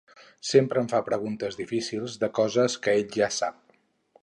Sempre em fa preguntes difícils de coses que ell ja sap.